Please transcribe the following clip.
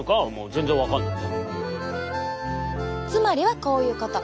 つまりはこういうこと。